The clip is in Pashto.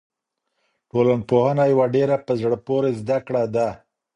ټولنپوهنه یوه ډېره په زړه پورې زده کړه ده.